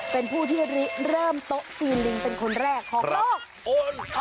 เป็นผู้ที่เริ่มโต๊ะจีนลิงเป็นคนแรกของโลก